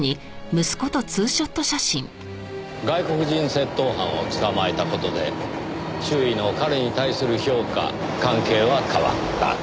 外国人窃盗犯を捕まえた事で周囲の彼に対する評価関係は変わった。